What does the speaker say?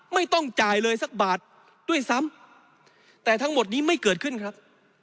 ไม่ต้องจ่ายเลยสักบาทด้วยซ้ำแต่ทั้งหมดนี้ไม่เกิดขึ้นครับ